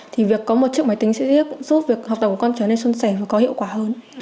thì việc có một chiếc máy tính sẽ riêng cũng giúp việc học tập của con trở nên xuân sẻ và có hiệu quả hơn